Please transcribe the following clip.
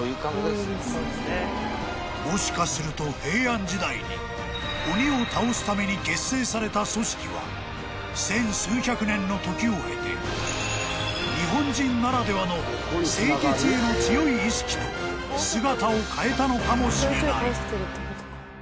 ［もしかすると平安時代に鬼を倒すために結成された組織は千数百年の時を経て日本人ならではの清潔への強い意識と姿を変えたのかもしれない］